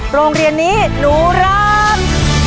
โรงเรียนนี้หนูรัก